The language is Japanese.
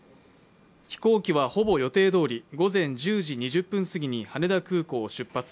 飛行機はほぼ予定どおり午前１０時２０分すぎに羽田空港を出発。